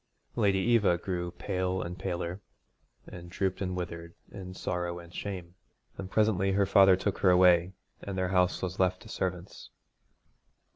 Lady Eva grew pale and paler, and drooped and withered in sorrow and shame, and presently her father took her away, and their house was left to servants.